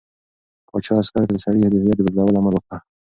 پاچا عسکرو ته د سړي د هویت د بدلولو امر وکړ.